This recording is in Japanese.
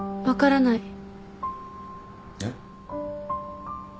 分からない。